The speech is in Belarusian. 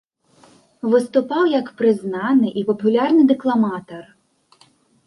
Выступаў як прызнаны і папулярны дэкламатар.